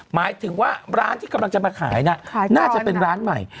หมายถึงว่าร้านที่กำลังจะมาขายนะน่าจะเป็นร้านใหม่